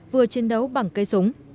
vừa chiến đấu bằng cây súng